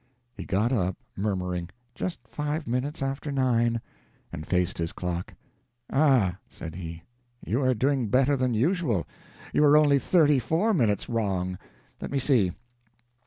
He got up, murmuring, "Just five minutes after nine," and faced his clock. "Ah," said he, "you are doing better than usual. You are only thirty four minutes wrong. Let me see...